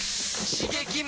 刺激！